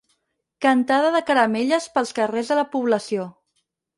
Cantada de Caramelles pels carrers de la població.